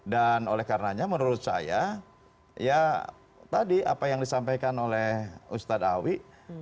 dan oleh karenanya menurut saya ya tadi apa yang disampaikan oleh ustadz awie